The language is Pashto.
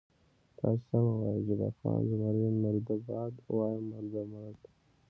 تاسې سمه وایئ، جبار خان: زمري مرده باد، وایم مرده باد.